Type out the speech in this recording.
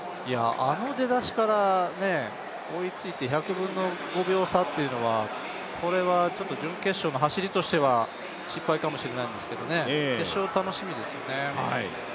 あの出だしから追いついて１００分の５秒差というのはこれはちょっと準決勝の走りとしては失敗かもしれないんですけどね、決勝楽しみですよね。